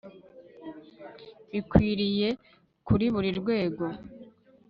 bikwiriye kuri buri rwego